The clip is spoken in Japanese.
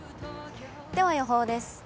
では予報です。